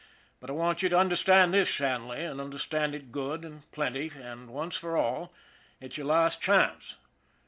But I want you to understand this, Shanley, and under stand it good and plenty and once for all, it's your last chance.